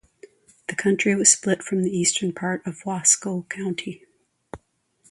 The county was split from the eastern part of Wasco County.